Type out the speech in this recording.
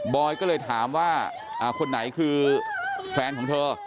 อยก็เลยถามว่าคนไหนคือแฟนของเธอ